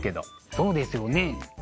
そうですよね。